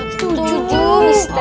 saya juga sejuta